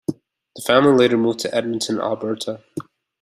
The family later moved to Edmonton, Alberta.